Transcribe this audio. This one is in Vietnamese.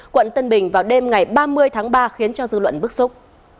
quận tân bình vào đêm ngày ba mươi tháng ba khiến cho dư luận bức xúc